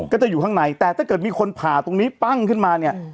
ก็จะอยู่ข้างในแต่ถ้าเกิดมีคนผ่าตรงนี้ปั้งขึ้นมาเนี่ย